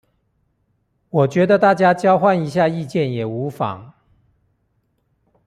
我覺得大家交換一下意見也無妨